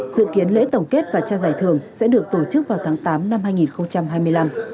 dự kiến lễ tổng kết và trao giải thưởng sẽ được tổ chức vào tháng tám năm hai nghìn hai mươi năm